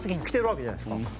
着てるわけじゃないですか。